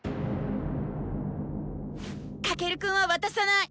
「翔くんは渡さない！